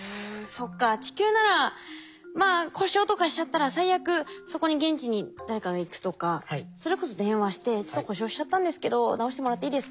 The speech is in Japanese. そっか地球ならまあ故障とかしちゃったら最悪そこに現地に誰かが行くとかそれこそ電話して「ちょっと故障しちゃったんですけど直してもらっていいですか」